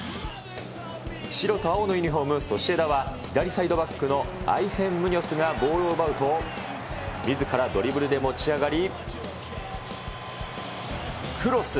白と青のユニホーム、ソシエダは左サイドバックのアイヘン・ムニョスがボールを奪うと、みずからドリブルで持ち上がり、クロス。